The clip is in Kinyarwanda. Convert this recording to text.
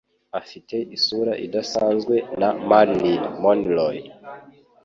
Afite isura idasanzwe na Marilyn Monroe